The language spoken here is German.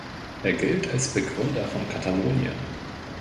Er gilt als Begründer von Katalonien.